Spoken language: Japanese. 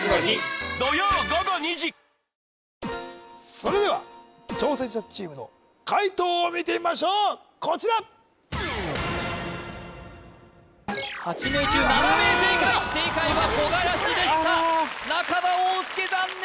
それでは挑戦者チームの解答を見てみましょうこちら８名中７名正解正解はこがらしでした中田旺佑残念！